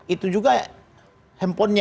itu juga handphonenya